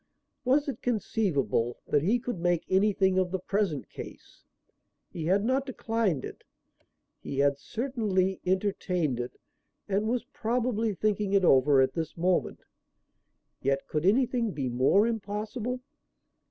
Was it conceivable that he could make anything of the present case? He had not declined it. He had certainly entertained it and was probably thinking it over at this moment. Yet could anything be more impossible?